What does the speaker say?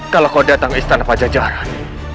kalau kau datang ke istana pajajaran